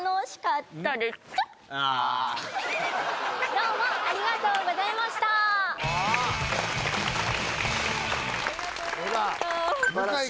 どうもありがとうございましたすばらしい！